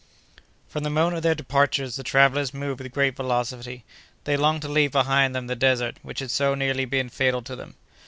From the moment of their departure, the travellers moved with great velocity. They longed to leave behind them the desert, which had so nearly been fatal to them.